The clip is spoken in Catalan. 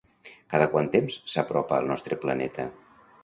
Cada quant temps s'apropa al nostre planeta?